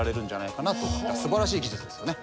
すばらしい技術ですよね。